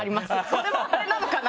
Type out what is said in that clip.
これもあれなのかな？